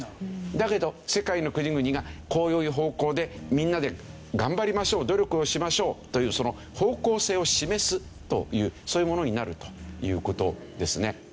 だけど世界の国々がこういう方向でみんなで頑張りましょう努力をしましょうというその方向性を示すというそういうものになるという事ですね。